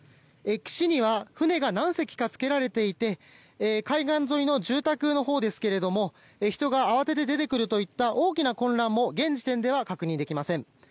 岸には船が何隻かつけられていて海岸沿いの住宅のほうですが人が慌てて出てくるといった大きな混乱も現時点では確認できません。